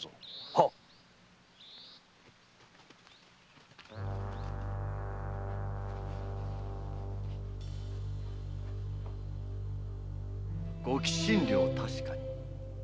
はっ！ご寄進料確かに。